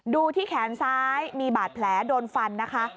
ดูที่แขนซ้ายมีบาดแผลโดนฟันนะคะ